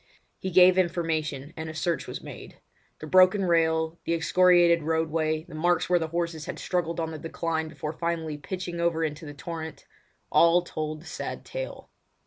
He gave information, and search was made. The broken rail, the excoriated roadway, the marks where the horses had struggled on the decline before finally pitching over into the torrent—all told the sad tale.